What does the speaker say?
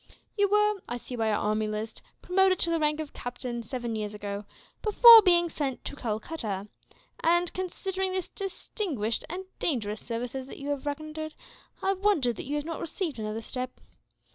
You were, I see by our army list, promoted to the rank of captain, seven years ago, before being sent to Calcutta; and, considering the distinguished and dangerous services that you have rendered, I wonder that you have not received another step.